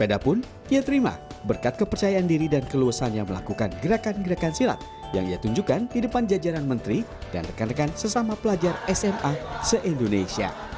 sepeda pun ia terima berkat kepercayaan diri dan keluasannya melakukan gerakan gerakan silat yang ia tunjukkan di depan jajaran menteri dan rekan rekan sesama pelajar sma se indonesia